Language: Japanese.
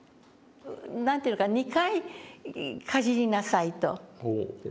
何て言うのかな「２回かじりなさい」と。